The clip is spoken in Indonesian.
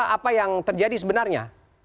apa yang terjadi sebenarnya